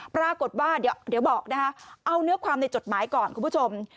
ปรากฏว่าเดี๋ยวบอกนะคะเอาเนื้อความในจดหมายก่อนคุณผู้ชม